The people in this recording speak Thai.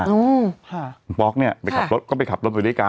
คุณป๊อกก็ก็ไปขับรถด้วยด้วยกัน